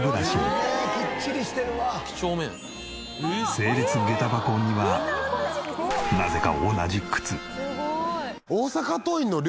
整列下駄箱にはなぜか同じ靴。